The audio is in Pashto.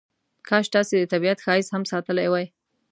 کاش تاسې د طبیعت ښایست هم ساتلی وای.